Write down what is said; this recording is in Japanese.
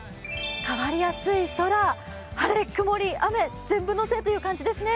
変わりやすい空晴れ、曇り、雨全部乗せという感じですね。